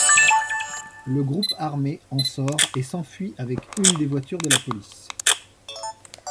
Le groupe armé en sort et s'enfuit avec une des voitures de la police.